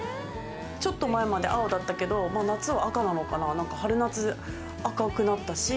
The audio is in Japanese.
ちょっと前まで青だったけど、夏は赤なのかな、春夏赤くなったし。